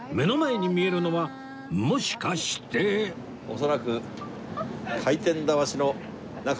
恐らく。